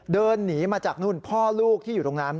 เดินหนีมาจากนู่นพ่อลูกที่อยู่ตรงนั้น